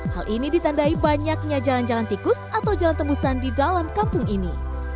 hal ini ditandai banyaknya jalan jalan tikus atau jalan tembusan di dalam kampung ini